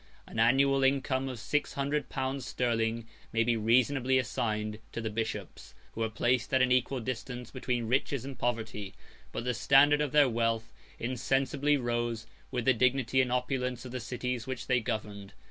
An annual income of six hundred pounds sterling may be reasonably assigned to the bishops, who were placed at an equal distance between riches and poverty, 105 but the standard of their wealth insensibly rose with the dignity and opulence of the cities which they governed.